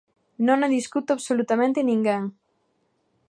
Non o discute absolutamente ninguén.